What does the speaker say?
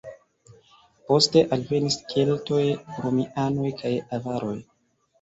Poste alvenis keltoj, romianoj kaj avaroj.